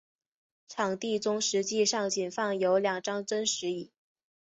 场地中实际上仅放有两张真实椅。